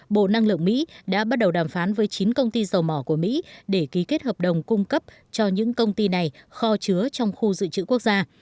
bộ năng lượng mỹ đã bắt đầu đàm phán với chín công ty dầu mỏ của mỹ để ký kết hợp đồng cung cấp cho những công ty này kho chứa trong khu dự trữ quốc gia